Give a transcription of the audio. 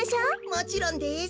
もちろんです。